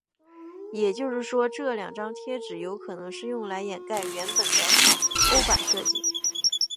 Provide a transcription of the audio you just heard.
也就是说这两张贴纸有可能是用来掩盖原本的欧版设计。